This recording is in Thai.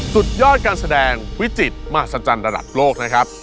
สุดยอดการแสดงวิจิตมหัศจรรย์ระดับโลกนะครับ